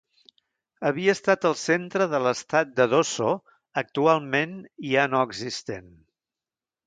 Havia estat el centre de l'estat de Dosso actualment ja no existent.